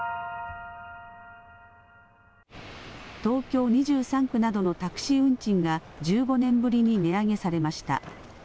東京２３区などのタクシー運賃が１５年ぶりに値上げされました。